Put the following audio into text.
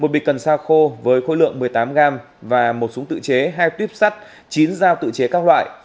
một bịch cần sa khô với khối lượng một mươi tám gram và một súng tự chế hai tuyếp sắt chín dao tự chế các loại